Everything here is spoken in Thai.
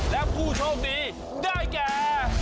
และผู้โชคดีได้แก่